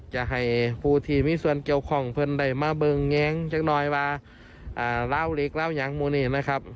ใช่ค่ะเดี๋ยวลองฟังอาจารย์หน่อยนะคะ